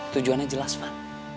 tujuannya jelas van